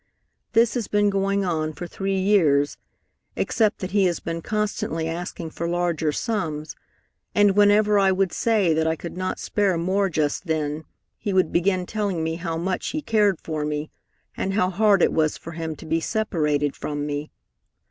This has been going on for three years, except that he has been constantly asking for larger sums, and whenever I would say that I could not spare more just then he would begin telling me how much he cared for me, and how hard it was for him to be separated from me.